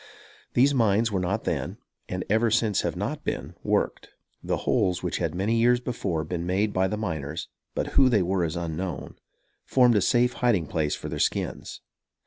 These mines were not then, and ever since have not been, worked. The holes which had many years before been made by the miners but who they were is unknown formed a safe hiding place for their skins.